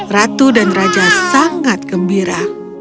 ratu dan raja sangat gembira